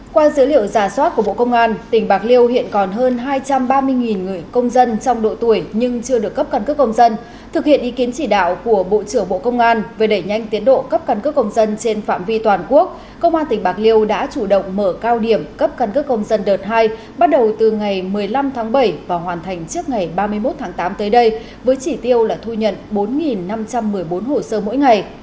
qua dữ liệu giả soát của bộ công an tỉnh bạc liêu hiện còn hơn hai trăm ba mươi người công dân trong độ tuổi nhưng chưa được cấp căn cứ công dân thực hiện ý kiến chỉ đạo của bộ trưởng bộ công an về đẩy nhanh tiến độ cấp căn cứ công dân trên phạm vi toàn quốc công an tỉnh bạc liêu đã chủ động mở cao điểm cấp căn cứ công dân đợt hai bắt đầu từ ngày một mươi năm tháng bảy và hoàn thành trước ngày ba mươi một tháng tám tới đây với chỉ tiêu là thu nhận bốn năm trăm một mươi bốn hồ sơ mỗi ngày